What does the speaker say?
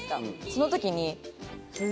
その時に。